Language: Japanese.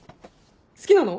好きなの？